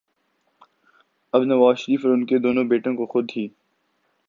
اب نواز شریف اور ان کے دونوں بیٹوں کو خود ہی